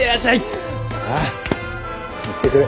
ああ行ってくる！